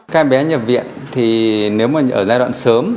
các em bé nhập viện thì nếu mà ở giai đoạn sớm